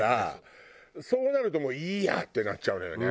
そうなるともういいやってなっちゃうのよね。